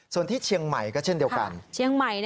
ส่วนที่เชียงใหม่ก็เช่นเดียวกัน